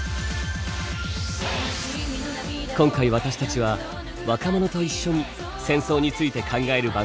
今回私たちは若者と一緒に戦争について考える番組を企画。